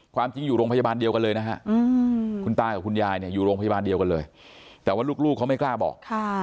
ความจริงอยู่โรงพยาบาลเดียวกันเลยนะฮะคุณตากับคุณยายเนี่ยอยู่โรงพยาบาลเดียวกันเลยแต่ว่าลูกเขาไม่กล้าบอก